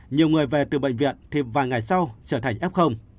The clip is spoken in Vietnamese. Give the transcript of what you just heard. nhiều người về từ bệnh viện thì vài ngày sau trở thành f